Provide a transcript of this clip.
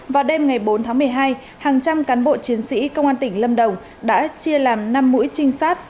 vào đêm ngày bốn tháng một mươi hai hàng trăm cán bộ chiến sĩ công an tỉnh lâm đồng đã chia làm năm mũi trinh sát